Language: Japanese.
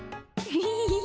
フフフフフ。